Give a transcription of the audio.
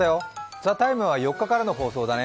「ＴＨＥＴＩＭＥ，」は４日からの放送だね。